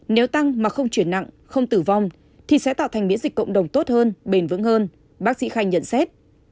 nếu tăng mà không chuyển nặng không tử vong thì sẽ tạo thành miễn dịch cộng đồng tốt hơn bền vững hơn bác sĩ khai nhận xét